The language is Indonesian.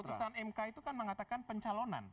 putusan mk itu kan mengatakan pencalonan